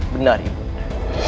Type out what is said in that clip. benar ibu anda